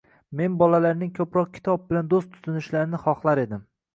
Men bolalarning ko‘proq kitob bilan do‘st tutinishlarini xohlar edim.